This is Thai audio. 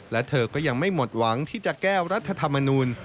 และเธอก็ยังไม่หมดหวังที่จะแก้รัฐธรรมนูล